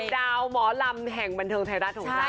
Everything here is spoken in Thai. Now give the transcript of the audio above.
ดาวหมอลำแห่งบันเทิงไทยรัฐของเรา